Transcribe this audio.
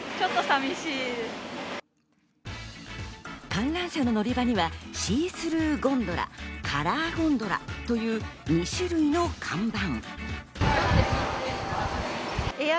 観覧車の乗り場にはシースルーゴンドラ、カラーゴンドラという２種類の看板。